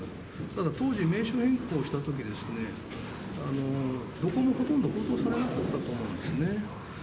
ただ、当時、名称変更したときですね、どこもほとんど、報道されなかったと思うんですね。